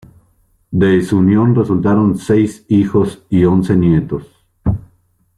De su unión resultaron seis hijos y once nietos.